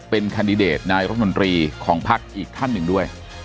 เป็นแคนดิเดตนายรัฐมนตรีของพักอีกท่านหนึ่งด้วย